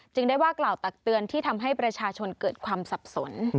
ได้ว่ากล่าวตักเตือนที่ทำให้ประชาชนเกิดความสับสน